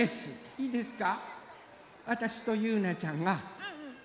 いいですか？